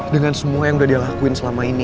dengan semua yang udah dia lakuin selama ini